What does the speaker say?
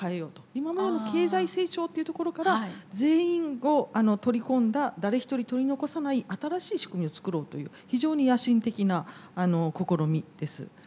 今までの経済成長っていうところから全員を取り込んだ誰一人取り残さない新しい仕組みを作ろうという非常に野心的な試みです。